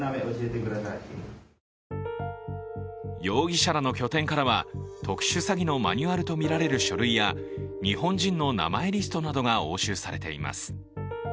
容疑者らの拠点からは、特殊詐欺のマニュアルとみられる書類や日本人の名前リストなどが押収されています。